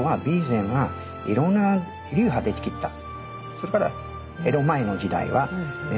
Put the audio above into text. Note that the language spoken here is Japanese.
それから江戸前の時代はね